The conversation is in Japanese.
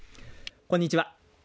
こんにちは。